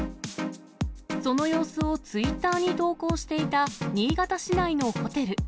その様子をツイッターに投稿していた新潟市内のホテル。